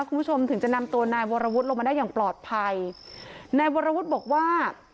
คุณผู้ชมถึงจะนำตัวนายวรวุฒิลงมาได้อย่างปลอดภัยนายวรวุฒิบอกว่า